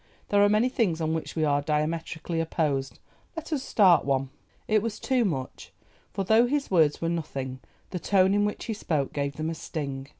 There are many things on which we are diametrically opposed; let us start one." It was too much, for though his words were nothing the tone in which he spoke gave them a sting.